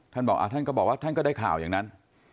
ท่านบอกท่านก็บอกว่าท่านก็ได้ข่าวอย่างนั้น